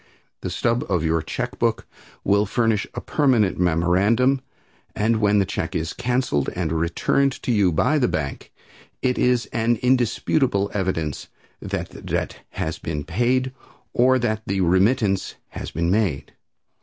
The stub of your check book will furnish a permanent memorandum, and when the check is canceled and returned to you by the bank, it is an indisputable evidence that the debt has been paid, or that the remittance has been made.